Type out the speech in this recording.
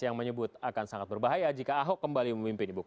yang menyebut akan sangat berbahaya jika ahok kembali memimpin